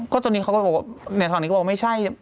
ก็ตอนนี้เขาก็บอกแหน่งทางนี้ก็บอกว่าไม่ใช่